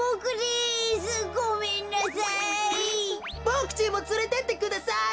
ボクちんもつれてってください。